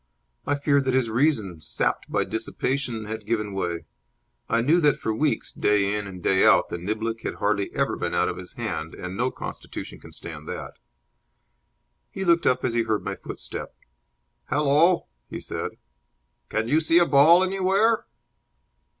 I feared that his reason, sapped by dissipation, had given way. I knew that for weeks, day in and day out, the niblick had hardly ever been out of his hand, and no constitution can stand that. He looked up as he heard my footstep. "Hallo," he said. "Can you see a ball anywhere?"